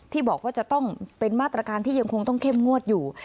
ที่บอกว่าจะต้องเป็นมาตรการที่ยังคงต้องเข้มงวดอยู่